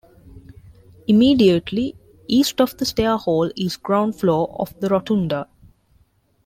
Immediately east of the stair-hall is the ground floor of the rotunda.